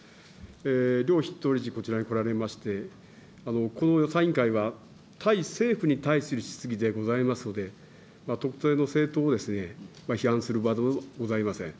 両筆頭理事、こちらにこられまして、この予算委員会は、対政府に対する質疑でございますので、特定の政党をですね、批判する場ではございません。